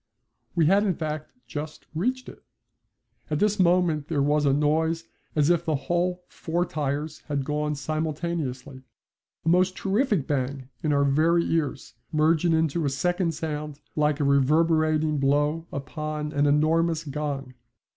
We had in fact just reached it. At this moment there was a noise as if the whole four tyres had gone simultaneously, a most terrific bang in our very ears, merging into a second sound like a reverberating blow upon an enormous gong.